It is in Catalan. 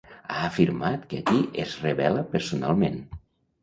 Ha afirmat que aquí es rebel·la personalment.